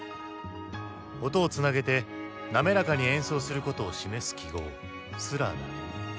音をつなげて滑らかに演奏することを示す記号「スラー」だ。